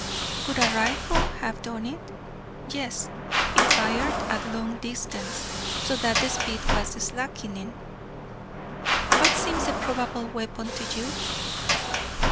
"Could a rifle have done it?" "Yes, if fired at a long distance, so that the speed was slackening." "What seems the probable weapon to you?"